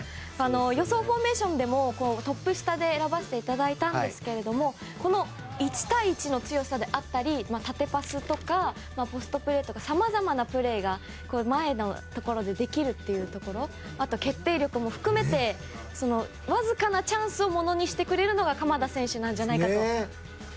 予想フォーメーションでもトップ下で選ばせていただきましたが１対１の強さだったり縦パスとか、ポストプレーとかさまざまなプレーが前のところでできるというところあとは決定力も含めてわずかなチャンスをものにしてくれるのが鎌田選手なんじゃないかと。